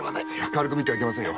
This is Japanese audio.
軽く見てはいけませんよ。